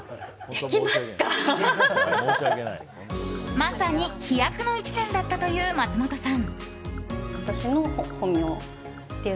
まさに飛躍の１年だったという松本さん。